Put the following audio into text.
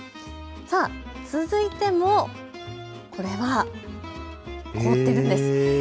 続いても、これは凍っているんです。